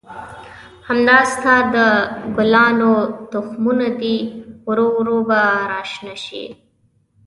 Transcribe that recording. همدا ستا د ګلانو تخمونه دي، ورو ورو به را شنه شي.